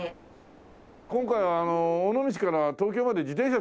今回は尾道から東京まで自転車で帰るか。